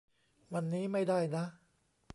วันนี้ไม่ได้นะ